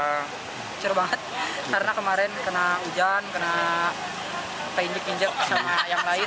ancur banget karena kemarin kena hujan kena penyik penyik sama yang lain